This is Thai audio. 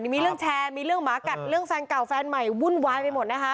มีเรื่องแชร์มีเรื่องหมากัดเรื่องแฟนเก่าแฟนใหม่วุ่นวายไปหมดนะคะ